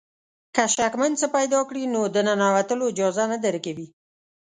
که شکمن څه پیدا کړي نو د ننوتلو اجازه نه درکوي.